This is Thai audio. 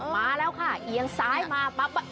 มาแล้วค่ะเหยียงซ้ายมา